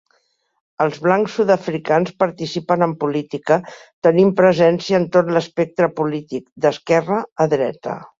Els blancs sud-africans participen en política, tenint presència en tot l'espectre polític, d'esquerra a dreta.